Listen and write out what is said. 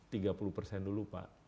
tiga puluh persen dulu pak